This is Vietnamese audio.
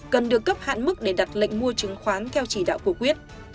cần được cấp hạn mức để đặt lệnh mua chứng khoán theo chỉ đạo của quyết